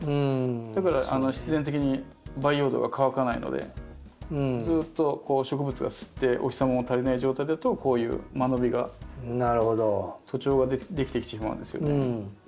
だから必然的に培養土が乾かないのでずっと植物が吸ってお日様の足りない状態だとこういう間延びが徒長ができてしまうんですよね。